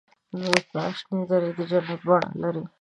د نورستان شنې درې د جنت بڼه لري.